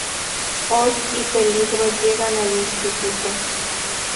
Ord y Peligro llegan al Instituto.